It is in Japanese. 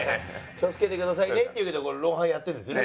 「気をつけてくださいね」っていうわけで『ロンハー』やってるんですよね。